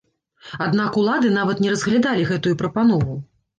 Аднак улады нават не разглядалі гэтую прапанову.